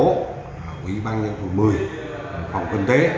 của ủy ban nhân thủ một mươi phòng quân tế